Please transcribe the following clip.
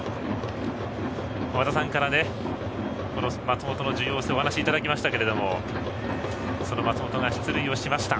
和田さんから松本の重要性をお話いただきましたがその松本が出塁しました。